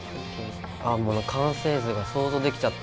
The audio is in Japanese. ああもう完成図が想像できちゃった。